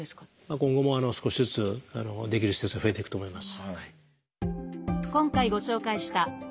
今後も少しずつできる施設が増えていくと思います。